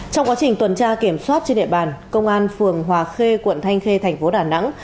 trong quá trình tuần tra kiểm soát trên địa bàn công an phường hòa khê quận thanh khê thành phố đà nẵng